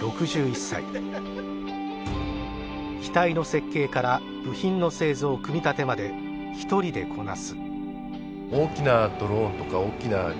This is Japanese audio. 機体の設計から部品の製造組み立てまで一人でこなす。